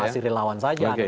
masih relawan saja